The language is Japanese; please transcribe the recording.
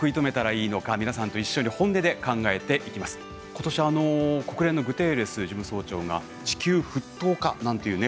今年国連のグテーレス事務総長が「地球沸騰化」なんていうね